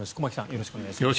よろしくお願いします。